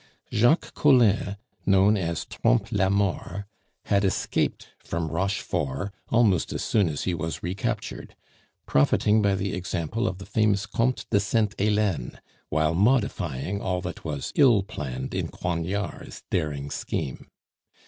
Jacques Collin, known as Trompe la Mort, had escaped from Rochefort almost as soon as he was recaptured, profiting by the example of the famous Comte de Sainte Helene, while modifying all that was ill planned in Coignard's daring scheme.